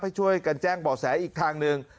ให้ช่วยกันแจ้งบ่อแสอีกทางหนึ่ง